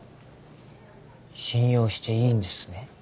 信用していいんですね。